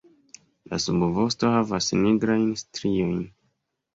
La subvosto havas nigrajn striojn.